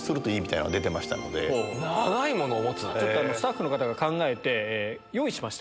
ちょっとスタッフの方が考えて、用意しました。